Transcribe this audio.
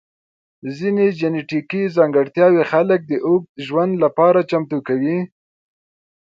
ځینې جنیټیکي ځانګړتیاوې خلک د اوږد ژوند لپاره چمتو کوي.